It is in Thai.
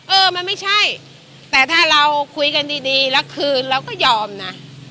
เออมันไม่ใช่แต่ถ้าเราคุยกันดีแล้วคืนเราก็ยอมนะ